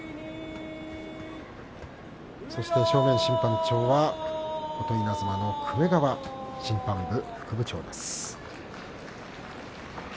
正面審判長は琴稲妻の粂川審判部副部長です。